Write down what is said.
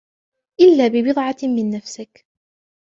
إلَّا بِبِضْعَةٍ مِنْ نَفْسِك